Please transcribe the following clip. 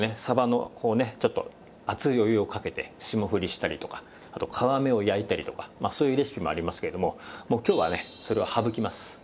鯖のこうねちょっと熱いお湯をかけて霜降りしたりとかあと皮目を焼いたりとかまあそういうレシピもありますけれどももう今日はねそれは省きます。